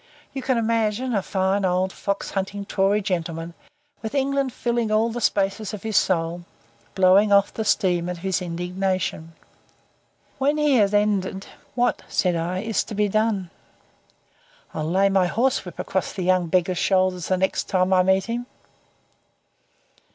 You can imagine a fine old fox hunting Tory gentleman, with England filling all the spaces of his soul, blowing off the steam of his indignation. When he had ended, "What," said I, "is to be done?" "I'll lay my horsewhip across the young beggar's shoulders the next time I meet him."